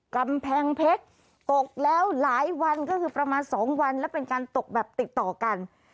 กำแพงเพชรตกแล้วหลายวันก็คือประมาณ๒วันและเป็นการตกแบบติดต่อกัน